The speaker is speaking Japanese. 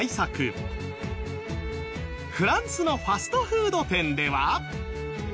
フランスのファストフード店では。